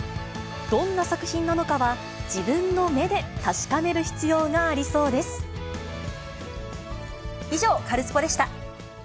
どんな作品なのかは、自分の目で以上、カルスポっ！でした。